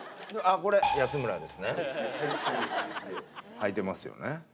「はいてますよ」ね。